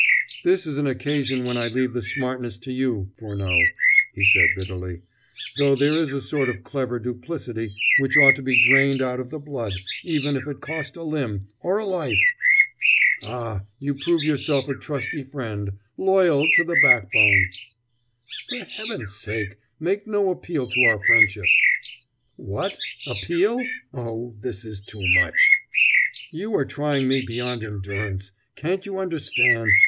"This is an occasion when I leave the smartness to you, Furneaux," he said bitterly, "though there is a sort of clever duplicity which ought to be drained out of the blood, even if it cost a limb, or a life." "Ah, you prove yourself a trusty friend loyal to the backbone!" "For Heaven's sake, make no appeal to our friendship!" "What! Appeal? I? Oh, this is too much!" "You are trying me beyond endurance. Can't you understand?